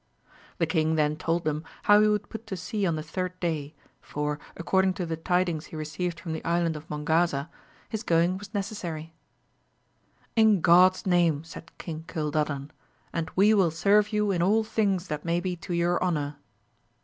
The king then told them how he would put to sea on the third day, for, according to the tidings he received from the Island of Mongaza, his going was AMADIS OF GAUL. 181 necessary. In God*s name, said King Cildadan, and we will serve you in all things that may be to your honour.